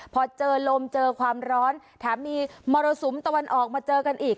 พอเจอลมเจอความร้อนแถมมีมรสุมตะวันออกมาเจอกันอีก